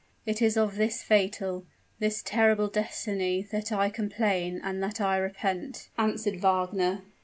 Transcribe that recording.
"It is of this fatal this terrible destiny that I complain and that I repent," answered Wagner.